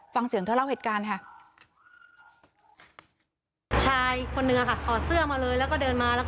ฟังเสียงเธอเล่าเหตุการณ์ค่ะชายคนเหนือค่ะขอเสื้อมาเลยแล้วก็เดินมาแล้วก็